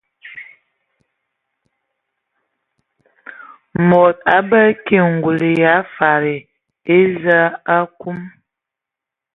Mod abələ ki ngul ya fadi eza akum.